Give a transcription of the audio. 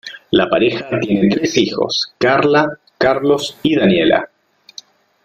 La pareja tiene tres hijos, Carla, Carlos y Daniela.